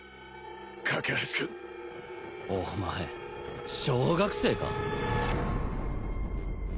架橋君お前小学生か？